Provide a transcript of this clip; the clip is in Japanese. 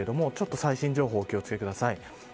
最新情報にお気を付けください。